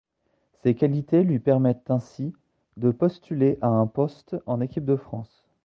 Ces qualités lui permettent ainsi de postuler à un poste en équipe de France.